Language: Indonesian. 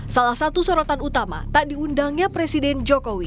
salah satu sorotan utama tak diundangnya presiden jokowi